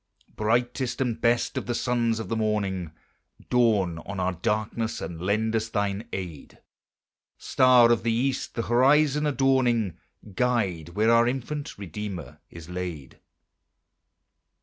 2. Brightest and best of the sons of the morning, Dawn on our darkness, and lend us thine aid; Star of the East, the horizon adorning, Guide where our infant Redeemer is laid.